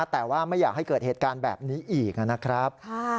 แต่ว่าไม่อยากให้เกิดเหตุการณ์แบบนี้อีกนะครับ